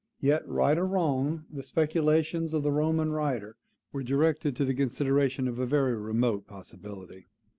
Yet, right or wrong, the speculations of the Roman writer were directed to the consideration of a very remote possibility.